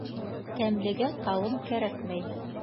Тәмлегә талым кәрәкмәй.